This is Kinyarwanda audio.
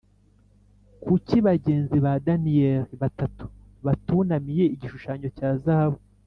Kuki bagenzi ba daniyeli batatu batunamiye igishushanyo cya zahabu